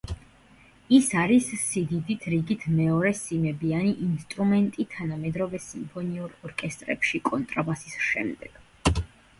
ის არის სიდიდით რიგით მეორე სიმებიანი ინსტრუმენტი თანამედროვე სიმფონიურ ორკესტრებში კონტრაბასის შემდეგ.